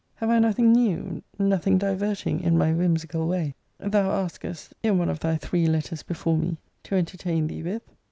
Have I nothing new, nothing diverting, in my whimsical way, thou askest, in one of thy three letters before me, to entertain thee with?